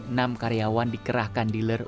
enam karyawan dikerahkan dealer